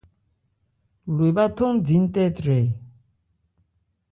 Lo ebhá thándi ńtɛ́trɛ.